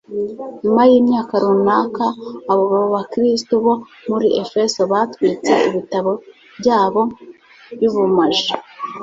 Nyuma y imyaka runaka abo Bakristo bo muri Efeso batwitse ibitabo byabo by ubumaji